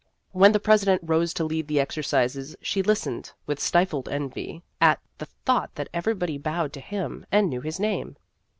When the president rose to lead the exercises, she listened with stifled envy at the thought that everybody bowed to him, and knew his name.